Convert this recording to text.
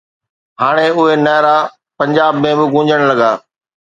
هاڻي اهي نعرا پنجاب ۾ به گونجڻ لڳا